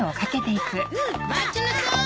待ちなさーい！